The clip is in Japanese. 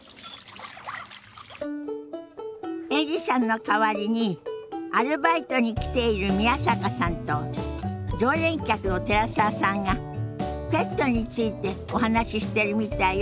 エリさんの代わりにアルバイトに来ている宮坂さんと常連客の寺澤さんがペットについてお話ししてるみたいよ。